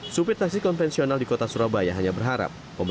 supir taksi konvensional di kota surabaya hanya berharap